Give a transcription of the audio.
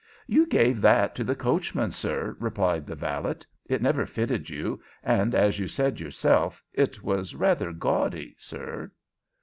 "You gave that to the coachman, sir," replied the valet. "It never fitted you, and, as you said yourself, it was rather gaudy, sir."